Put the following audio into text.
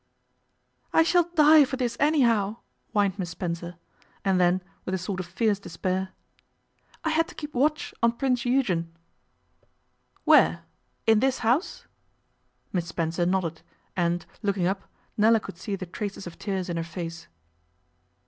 'I shall die for this anyhow,' whined Miss Spencer, and then, with a sort of fierce despair, 'I had to keep watch on Prince Eugen.' 'Where? In this house?' Miss Spencer nodded, and, looking up, Nella could see the traces of tears in her face.